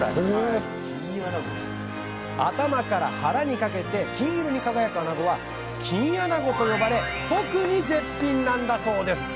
頭から腹にかけて金色に輝くあなごは金あなごと呼ばれ特に絶品なんだそうです